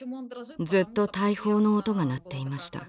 ずっと大砲の音が鳴っていました。